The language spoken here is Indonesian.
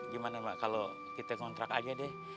gimana mak kalo kita kontrak aja deh